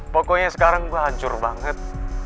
pokoknya sekarang tuh hancur banget